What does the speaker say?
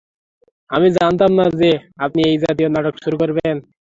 আমি জানতাম না যে, আপনি এই জাতীয় নাটক শুরু করবেন।